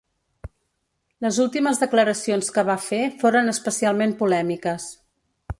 Les últimes declaracions que va fer foren especialment polèmiques.